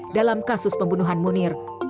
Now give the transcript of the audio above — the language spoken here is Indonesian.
dalam kasus pembunuhan munir